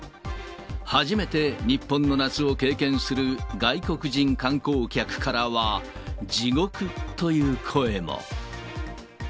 初めて日本の夏を経験する外国人観光客からは、地獄という声も。